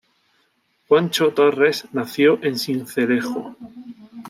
Juancho Torres nació en Sincelejo.